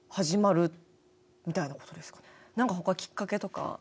何か他きっかけとか。